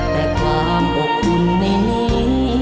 แต่ความบุคคลในนี้